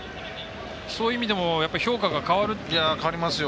そういう意味でも評価は変わりますか。